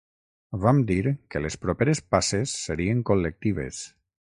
Vam dir que les properes passes serien col•lectives.